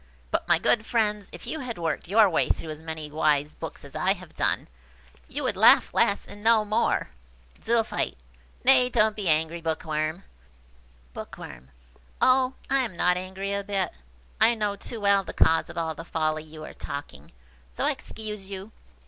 But, my good friends, if you had worked your way through as many wise books as I have done, you would laugh less and know more." Zoophyte. "Nay, don't be angry, Bookworm." Bookworm. "Oh, I am not angry a bit. I know too well the cause of all the folly you are talking, so I excuse you.